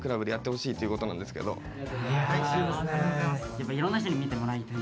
やっぱいろんな人に見てもらいたい。